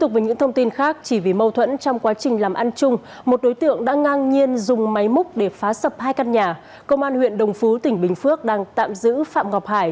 công an huyện đồng phú tỉnh bình phước đang tạm giữ phạm ngọc hải